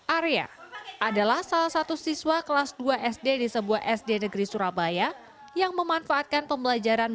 arya adalah salah satu siswa kelas dua sd di sebuah sd negeri surabaya yang memanfaatkan pembelajaran